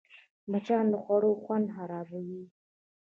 مچان د خوړو خوند خرابوي